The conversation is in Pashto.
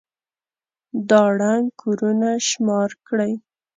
دا ړنـګ كورونه شمار كړئ.